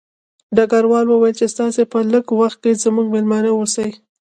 ډګروال وویل چې تاسې به لږ وخت زموږ مېلمانه اوسئ